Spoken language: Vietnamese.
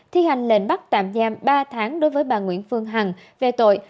thi hành lệnh bắt tạm giam ba tháng đối với bà nguyễn phương hằng về tội